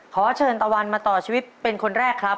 ขอเชิญตะวันมาต่อชีวิตเป็นคนแรกครับ